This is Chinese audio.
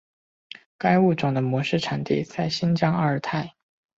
该物种的模式产地在新疆阿尔泰。